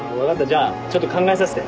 じゃあちょっと考えさせて。